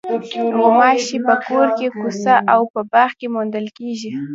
غوماشې په کور، کوڅه او باغ کې موندل کېږي.